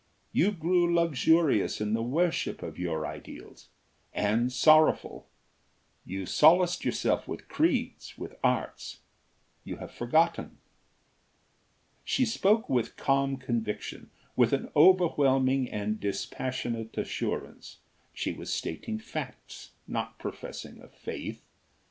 You grew luxurious in the worship of your ideals, and sorrowful; you solaced yourselves with creeds, with arts you have forgotten!" She spoke with calm conviction; with an overwhelming and dispassionate assurance. She was stating facts; not professing a faith.